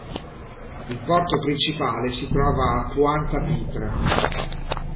Il porto principale si trova a Pointe-à-Pitre.